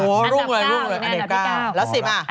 อันดับ๙แล้ว๑๐อ่ะ